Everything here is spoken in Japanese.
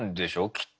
きっと。